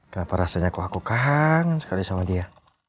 kenapa rasanya kok aku kangen sekali sama dia